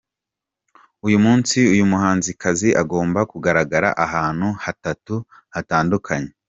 Uyu munsi uyu muhanzikazi agomba kugaragara ahantu hatatu hatandukanye.